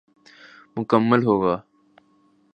مکمل ہو گا۔